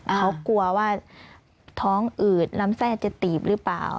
เขากลัวว่าท้องอืดลำไส้จะตีบหรือเปล่า